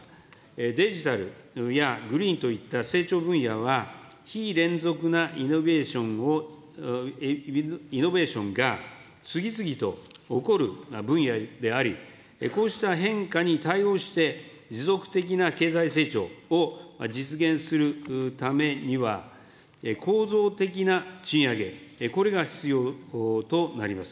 デジタルやグリーンといった成長分野は、非連続なイノベーションを、イノベーションが、次々と起こる分野であり、こうした変化に対応して、持続的な経済成長を実現するためには、構造的な賃上げ、これが必要となります。